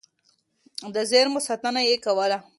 د زېرمو ساتنه يې کوله.